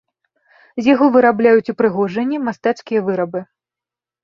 З яго вырабляюць упрыгожанні, мастацкія вырабы.